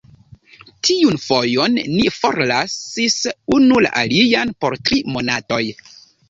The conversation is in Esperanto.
Tiun fojon, ni forlasis unu la alian por tri monatoj.